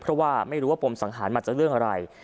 เพราะว่าไม่รู้ว่าปมสังหารมาจากเรื่องอะไร